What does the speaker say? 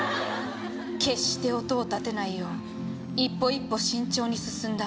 「決して音を立てないよう一歩一歩慎重に進んだ」